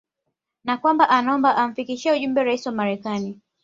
na kwamba anaomba amfikishie ujumbe Rais wa Marekani